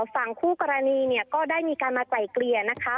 ฝั่งคู่กรณีเนี่ยก็ได้มีการมาไกลเกลี่ยนะคะ